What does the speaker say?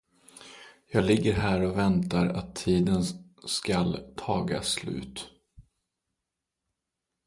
Jag ligger här och väntar att tiden skall taga slut.